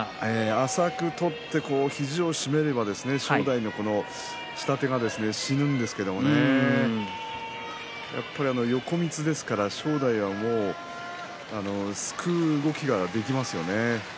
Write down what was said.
浅く取って肘を締めれば正代の下手が死ぬんですけれどもやはり横みつですから正代はすくう動きができますよね。